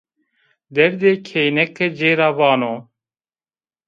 Derdê kêneke ci ra vano